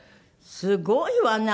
すごいわね！